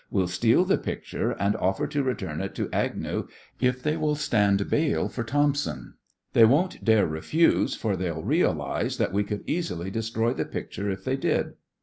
"We'll steal the picture and offer to return it to Agnew's if they will stand bail for Thompson. They won't dare refuse, for they'll realize that we could easily destroy the picture if they did."